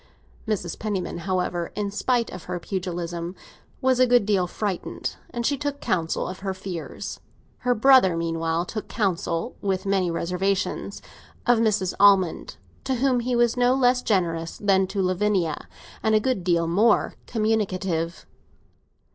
Mrs. Penniman, however, in spite of her pugilism, was a good deal frightened, and she took counsel of her fears. Her brother meanwhile took counsel, with many reservations, of Mrs. Almond, to whom he was no less generous than to Lavinia, and a good deal more communicative.